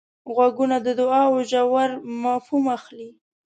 غوږونه د دوعا ژور مفهوم اخلي